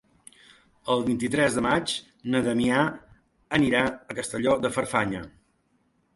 El vint-i-tres de maig na Damià anirà a Castelló de Farfanya.